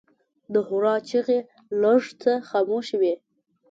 د هورا چیغې لږ څه خاموشه وې.